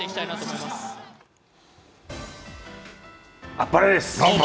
あっぱれです！